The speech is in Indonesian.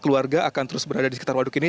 keluarga akan terus berada di sekitar waduk ini